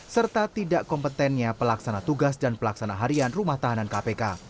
serta tidak kompetennya pelaksana tugas dan pelaksana harian rumah tahanan kpk